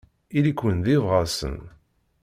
Ili-ken d ibɣasen.